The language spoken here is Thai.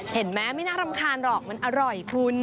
เห็นไหมไม่น่ารำคาญหรอกมันอร่อยคุณ